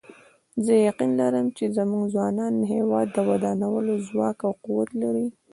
زه یقین لرم چې زموږ ځوانان د هیواد د ودانولو ځواک او قوت لري